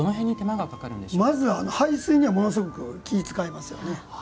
まず、排水にはものすごく気を遣いますよね。